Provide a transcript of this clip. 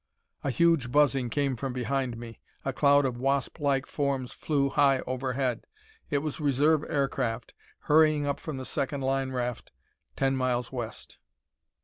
A huge buzzing came from behind me. A cloud of wasplike forms flew high overhead. It was reserve aircraft, hurrying up from the second line raft, ten miles west.